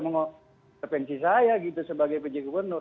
mengintervensi saya gitu sebagai pj gubernur